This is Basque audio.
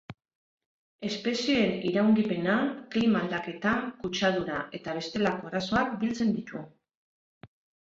Espezieen iraungipena, klima aldaketa, kutsadura eta bestelako arazoak biltzen ditu.